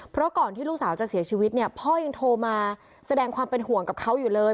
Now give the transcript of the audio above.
เพราะก่อนที่ลูกสาวจะเสียชีวิตเนี่ยพ่อยังโทรมาแสดงความเป็นห่วงกับเขาอยู่เลย